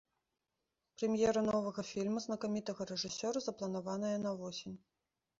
Прэм'ера новага фільма знакамітага рэжысёра запланаваная на восень.